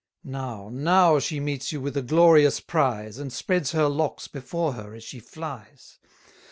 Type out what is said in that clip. Now, now she meets you with a glorious prize, 260 And spreads her locks before her as she flies.